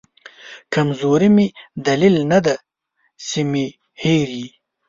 کمزوري مې دلیل ندی چې مې هېر یې